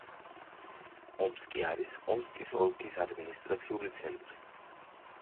ომსკი არის ომსკის ოლქის ადმინისტრაციული ცენტრი.